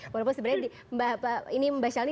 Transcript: walaupun sebenarnya mbak shalini